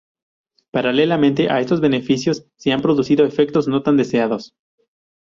Paralelamente a estos beneficios, se han producido efectos no tan deseados.